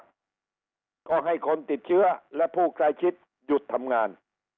แล้วก็ให้คนติดเชื้อและผู้ใกล้ชิดหยุดทำงาน